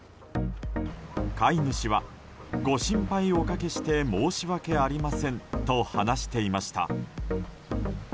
飼い主は、ご心配をおかけして申し訳ありませんと話していました。